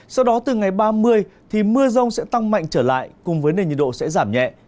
sau đó từ ngày ba mươi thì mưa rông sẽ tăng mạnh trở lại cùng với nền nhiệt độ sẽ giảm nhẹ